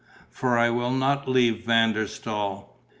For I will not leave Van der Staal."